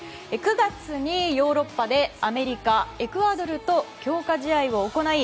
９月にヨーロッパでアメリカ、エクアドルと強化試合を行い